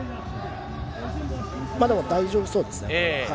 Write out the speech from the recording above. でも、大丈夫そうですね。